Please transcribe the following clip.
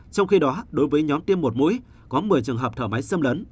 trong khi đó đối với nhóm tiêm một mũi có một mươi trường hợp thở máy xâm lấn